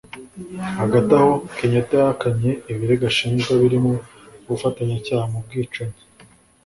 Hagati aho Kenyatta yahakanye ibirego ashinjwa birimo ubufatanyacyaha mu bwicanyi